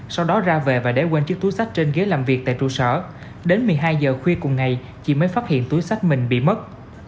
sau đó ra về và đế quên chiếc túi sách trên ghế làm việc tại trụ sở đến một mươi hai giờ khuya cùng ngày chị mới phát hiện túi sách mình bị mất